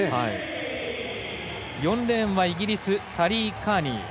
４レーンはイギリスタリー・カーニー。